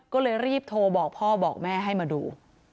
ก็เลยรีบโทรบอกพ่อบอกแม่ให้มาดู